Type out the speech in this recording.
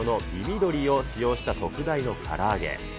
鶏を使用した特大のから揚げ。